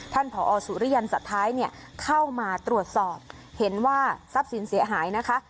ผอสุริยันสุดท้ายเนี่ยเข้ามาตรวจสอบเห็นว่าทรัพย์สินเสียหายนะคะ